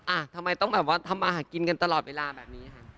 อ่ะทำไมต้องแบบว่าทำอาหารกินกันตลอดเวลาแบบนี้ค่ะ